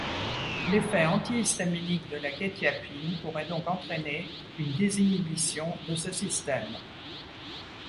L’effet antihistaminique de la quétiapine pourrait donc entraîner une désinhibition de ce système.